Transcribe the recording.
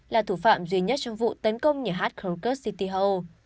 là thủ phạm duy nhất trong vụ tấn công nhà hát krokus city hall